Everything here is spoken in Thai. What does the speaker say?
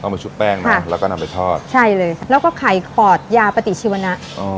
มาชุบแป้งนะแล้วก็นำไปทอดใช่เลยแล้วก็ไข่ขอดยาปฏิชีวนะอ๋อ